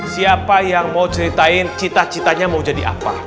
siapa yang mau ceritain cita citanya mau jadi apa